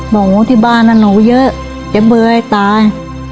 บอกว่าที่บ้านหนูเยอะเจ็บเบื่อให้ตาย